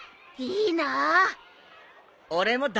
いいなー。